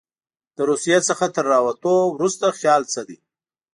له روسیې څخه تر راوتلو وروسته خیال څه دی.